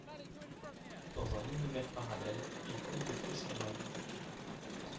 Dans un univers parallèle, les contes de fées sont réalité.